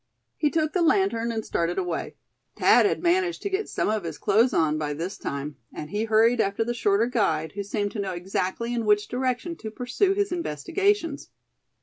He took the lantern, and started away. Thad had managed to get some of his clothes on by this time, and he hurried after the shorter guide, who seemed to know exactly in which direction to pursue his investigations.